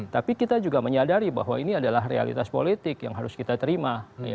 tapi kita juga menyadari bahwa ini adalah realitas politik yang harus kita terima